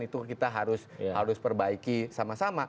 itu kita harus perbaiki sama sama